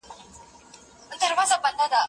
زه پرون سړو ته خواړه ورکوم!.